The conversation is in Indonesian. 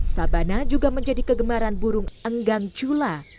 sabana juga menjadi kegemaran burung enggang cula